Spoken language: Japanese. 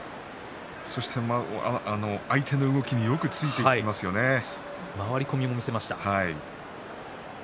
そして相手の動きに回り込みも見せました。